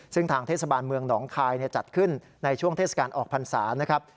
ซึ่งทางเทศบาลเมืองหนองคายจัดขึ้นในช่วงเทศกาลออกพรรษานะครับ